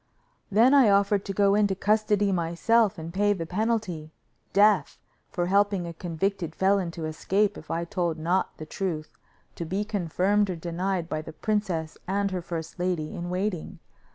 Then I offered to go into custody myself and pay the penalty, death, for helping a convicted felon to escape, if I told not the truth, to be confirmed or denied by the princess and her first lady in waiting.